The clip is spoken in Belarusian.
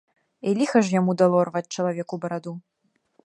І ліха ж яму дало рваць чалавеку бараду.